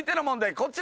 こちら。